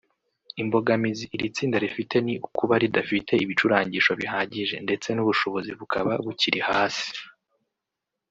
Imbogamizi iri tsinda rifite ni ukuba ridafite ibicurangisho bihagije ndetse n’ubushobozi bukaba bukiri hasi